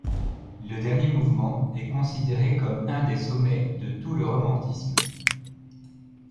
Le dernier mouvement est considéré comme un des sommets de tout le romantisme.